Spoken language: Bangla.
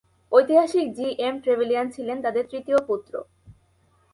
ঐতিহাসিক জি. এম. ট্রেভেলিয়ান ছিলেন তাদের তৃতীয় পুত্র।